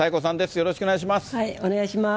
よろしくお願いします。